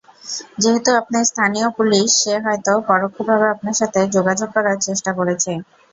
যেহেতু আপনি স্থানীয় পুলিশ, সে হয়তো পরোক্ষভাবে আপনার সাথে যোগাযোগ করার চেষ্টা করেছে।